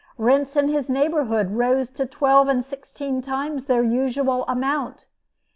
Rents in his neighborhood rose to twelve and sixteen times their usual amount.